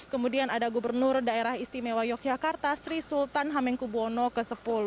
kemudian ada gubernur daerah istimewa yogyakarta sri sultan hamengkubwono x